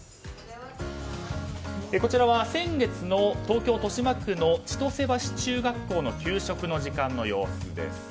こちらは先月の東京・豊島区の千渡世橋中学校の給食の時間の様子です。